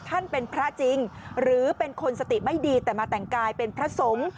ท่านเป็นพระจริงหรือเป็นคนสติไม่ดีแต่มาแต่งกายเป็นพระสงฆ์